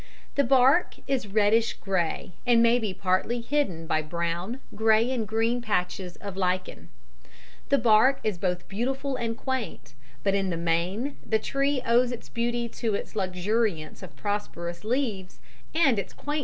The bark is reddish grey, and may be partly hidden by brown, grey and green patches of lichen. The bark is both beautiful and quaint, but in the main the tree owes its beauty to its luxuriance of prosperous leaves, and its quaintness to its pods.